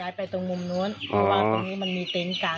ย้ายไปตรงมุมนั้นก็บอกว่าตรงนี้มันมีตรงกลาง